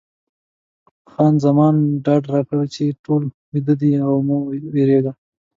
خو خان زمان ډاډ راکړی و چې ټول ویده دي او مه وېرېږه.